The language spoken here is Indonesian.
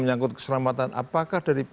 menyangkut keselamatan apakah dari